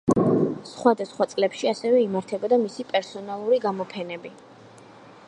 სხვადასხვა წლებში, ასევე, იმართებოდა მისი პერსონალური გამოფენები.